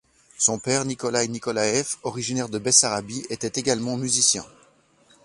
Son père, Nikolay Nikolaev, originaire de Bessarabie, était également musicien.